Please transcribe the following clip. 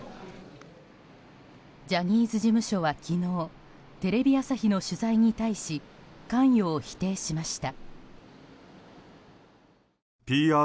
ジャニーズ事務所は昨日テレビ朝日の取材に対し関与を否定しました。